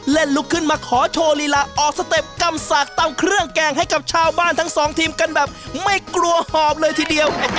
ลุกขึ้นมาขอโชว์ลีลาออกสเต็ปกำสากตำเครื่องแกงให้กับชาวบ้านทั้งสองทีมกันแบบไม่กลัวหอบเลยทีเดียว